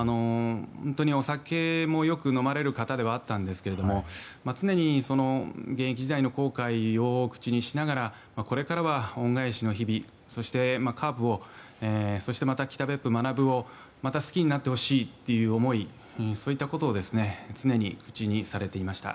お酒もよく飲まれる方ではあったんですけど常に現役時代の後悔を口にしながらこれからは恩返しの日々そしてカープを北別府学をまた好きになってほしいという思いそういったことを常に口にされていました。